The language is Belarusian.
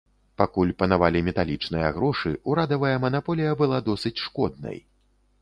Пакуль панавалі металічныя грошы, урадавая манаполія была досыць шкоднай.